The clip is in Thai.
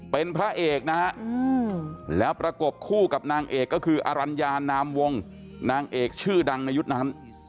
เป็นพระเอกนะฮะแล้วประกบคู่กับนางเอกก็คืออรัญญานามวงนางเอกชื่อดังในยุคนั้น